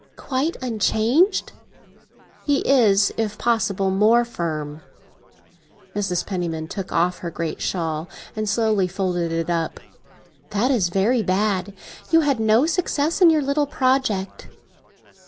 "Quite unchanged?" "He is, if possible, more firm." Mrs. Penniman took off her great shawl, and slowly folded it up. "That is very bad. You had no success with your little project?"